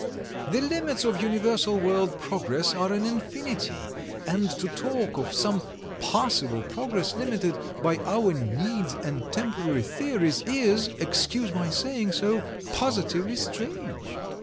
"The limits of universal world progress are in infinity, and to talk of some 'possible' progress limited by our needs and temporary theories is, excuse my saying so, positively strange."